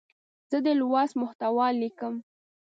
زه د لوست محتوا لیکم.